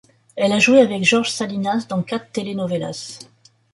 Elle a joué avec Jorge Salinas dans quatre telenovelas.